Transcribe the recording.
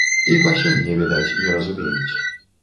І па сёння, відаць, не разумеюць.